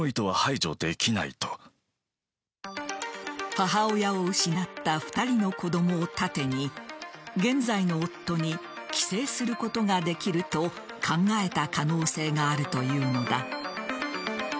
母親を失った２人の子供を盾に現在の夫に寄生することができると考えた可能性があるというのだ。